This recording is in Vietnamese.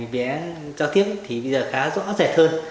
vé cho tiếp thì bây giờ khá rõ rệt hơn